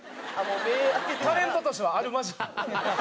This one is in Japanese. タレントとしてはあるまじき。